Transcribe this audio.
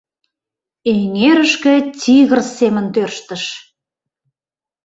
— Эҥерышке тигр семын тӧрштыш.